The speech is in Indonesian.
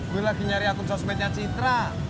gue lagi nyari akun sosmednya citra